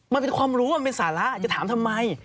มันเป็นความรู้มันเป็นสาระจะถามทำไม